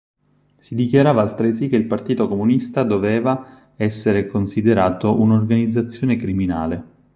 Si dichiarava altresì che il partito comunista doveva essere considerato un'organizzazione criminale.